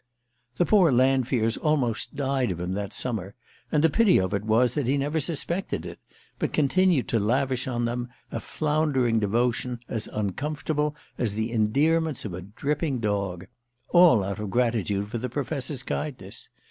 The poor Lanfears almost died of him that summer, and the pity of it was that he never suspected it, but continued to lavish on them a floundering devotion as uncomfortable as the endearments of a dripping dog all out of gratitude for the Professor's kindness!